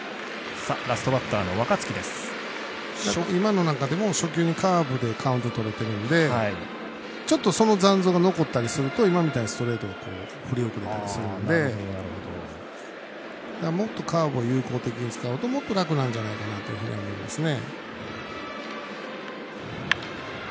今のでも、初球にカーブでカウントとれてるんでちょっとその残像が残ったりするとストレートで振り遅れたりするのでもっとカーブを有効的に使うともっと楽なんじゃないかなというふうに思いますね。